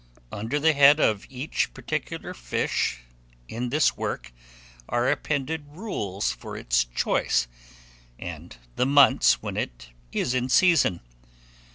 Under the head of each particular fish in this work, are appended rules for its choice and the months when it is in season.